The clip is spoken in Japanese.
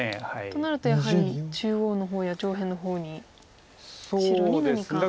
となるとやはり中央の方や上辺の方に白に何か。